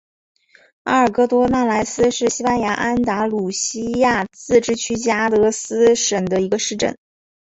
阿尔戈多纳莱斯是西班牙安达卢西亚自治区加的斯省的一个市镇。